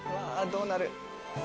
どうなる？